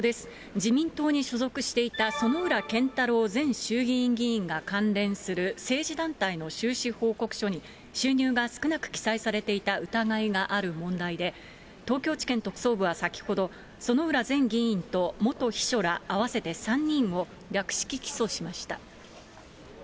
自民党に所属していた薗浦健太郎前衆議院議員が関連する政治団体の収支報告書に、収入が少なく記載されていた疑いがある問題で、東京地検特捜部は先ほど、薗浦前議員と元秘書ら合わせて３人を略式起訴しました。